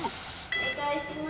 お願いします。